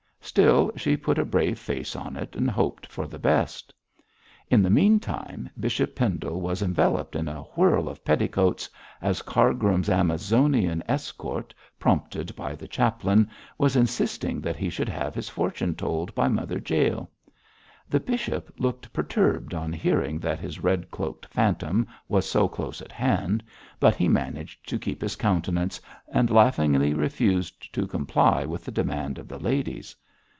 Still, she put a brave face on it and hoped for the best. In the meantime, Bishop Pendle was enveloped in a whirl of petticoats, as Cargrim's Amazonian escort, prompted by the chaplain, was insisting that he should have his fortune told by Mother Jael. The bishop looked perturbed on hearing that his red cloaked phantom was so close at hand, but he managed to keep his countenance, and laughingly refused to comply with the demand of the ladies.